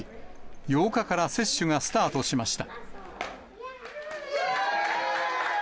８日から接種がスタートしました。